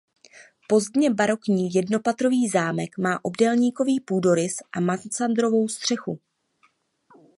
Pozdně barokní jednopatrový zámek má obdélníkový půdorys a mansardovou střechu.